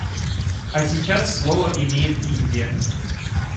А сейчас слово имеет Индия.